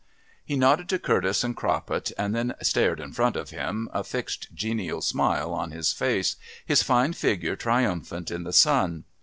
He nodded to Curtis and Croppet and then stared in front of him, a fixed genial smile on his face, his fine figure triumphant in the sun.